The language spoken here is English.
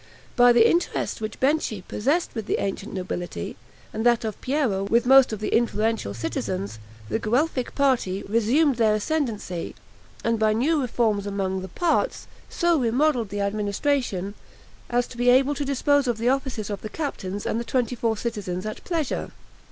By the interest which Benchi possessed with the ancient nobility, and that of Piero with most of the influential citizens, the Guelphic party resumed their ascendancy, and by new reforms among the PARTS, so remodeled the administration as to be able to dispose of the offices of the captains and the twenty four citizens at pleasure.